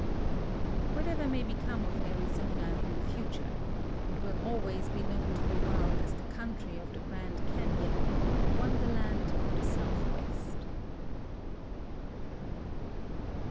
Whatever may become of Arizona in the future, it will always be known to the world as the country of the Grand Caiion, the wonderland of the Southwest.